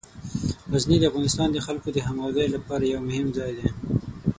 غزني د افغانستان د خلکو د همغږۍ لپاره یو مهم ځای دی.